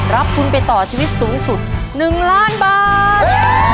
รับทุนไปต่อชีวิตสูงสุด๑ล้านบาท